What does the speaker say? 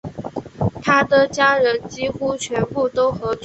她的家人几乎全部都和桌球运动有关。